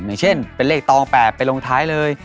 อย่างเช่นเป็นเลขตอง๘ไปลงท้ายเลย